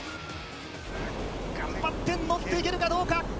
頑張って乗っていけるかどうか。